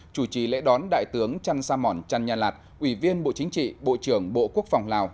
chủ trì lễ đón đại tướng chăn sa mỏn trăn nha lạt ủy viên bộ chính trị bộ trưởng bộ quốc phòng lào